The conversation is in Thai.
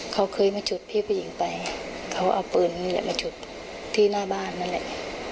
เขาเคยมาจุดพี่ผู้หญิงไปเขาเอาปืนนี่แหละมาจุดที่หน้าบ้านนั่นแหละ